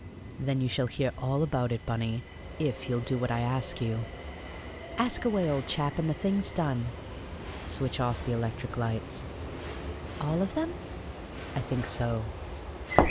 "Then you shall hear all about it, Bunny, if you'll do what I ask you." "Ask away, old chap, and the thing's done." "Switch off the electric lights." "All of them?" "I think so."